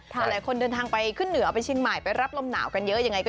พี่โอละคนเดินทางไปขึ้นเหนือไปเชียงใหม่